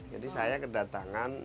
jadi saya kedatangan